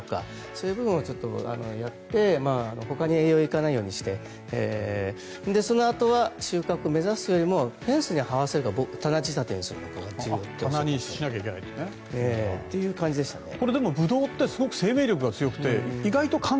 そういう部分をやってほかに栄養が行かないようにしてそのあとは収穫を目指すというよりもフェンスにはわせるのか棚仕立てにするのかそんな感じでしたね。